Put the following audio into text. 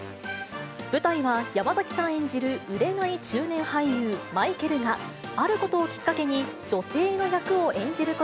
舞台は、山崎さん演じる売れない中年俳優、マイケルがあることをきっかけに、女性の役を演じるこ